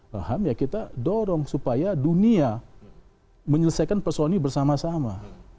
paham ya kita dorong supaya dunia menyelesaikan persoalan ini bersama sama